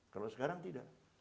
kalau sekarang tidak